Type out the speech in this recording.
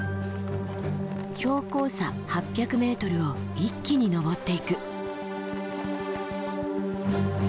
標高差８００ｍを一気に登っていく。